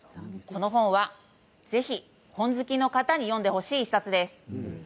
この本は、ぜひ本好きの方に読んでほしい１冊です。